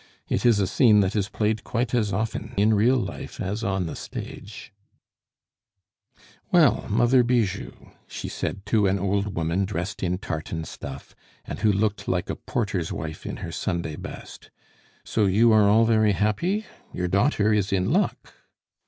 It is a scene that is played quite as often in real life as on the stage " "Well, Mother Bijou," she said to an old woman dressed in tartan stuff, and who looked like a porter's wife in her Sunday best, "so you are all very happy? Your daughter is in luck."